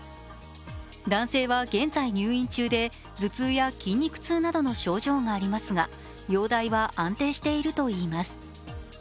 男性は現在入院中で、頭痛や筋肉痛などの症状がありますが、容体は安定しているといいます。